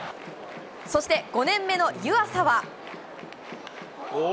そして５年目の湯浅は。